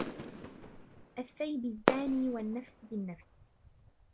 الثَّيِّبِ الزَّانِي، وَالنَّفْسِ بِالنَّفْسِ،